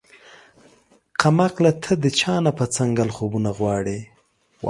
کم عقله تۀ د چا نه پۀ څنګل خوبونه غواړې